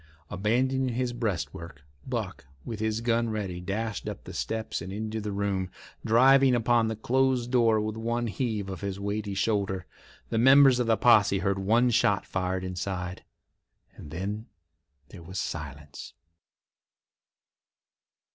Abandoning his breastwork, Buck, with his gun ready, dashed up the steps and into the room, driving upon the closed door with one heave of his weighty shoulder. The members of the posse heard one shot fired inside, and then there was silence.